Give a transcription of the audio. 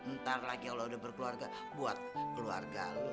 ntar lagi kalau udah berkeluarga buat keluarga